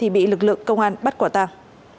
bạn bắt quả tàng